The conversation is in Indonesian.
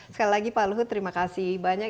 sekali lagi pak luhut terima kasih banyak